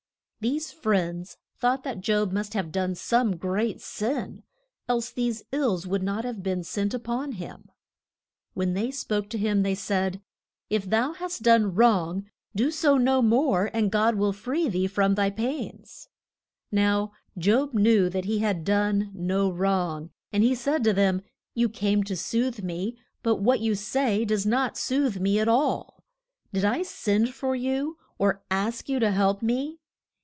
These friends thought that Job must have done some great sin, else these ills would not have been sent up on him. When they spoke to him they said, If thou hast done wrong, do so no more, and God will free thee from thy pains. [Illustration: JOB, AND HIS FRIENDS.] Now Job knew that he had done no wrong, and he said to them, You came to soothe me, but what you say does not soothe me at all. Did I send for you, or ask you to help me?